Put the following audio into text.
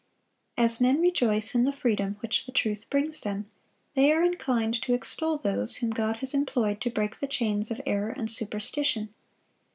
As men rejoice in the freedom which the truth brings them, they are inclined to extol those whom God has employed to break the chains of error and superstition.